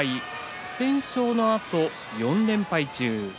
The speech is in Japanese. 不戦勝のあと４連敗中です。